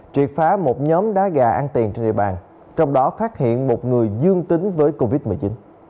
triệt phá một nhóm đá gà ăn tiền trên địa bàn trong đó phát hiện một người dương tính với covid một mươi chín